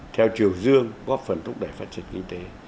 theo chiều dương góp phần thúc đẩy phát triển kinh tế